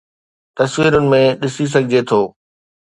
تصويرن ۾ ڏسي سگھجي ٿو